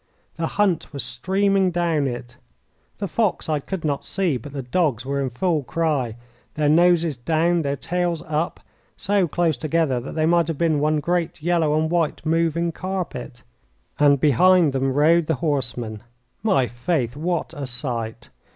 The hunt was streaming down it. The fox I could not see, but the dogs were in full cry, their noses down, their tails up, so close together that they might have been one great yellow and white moving carpet. And behind them rode the horsemen my faith, what a sight!